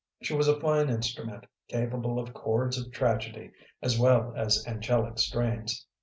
She was a fine instrument, capable of chords of tragedy as well as angelic strains.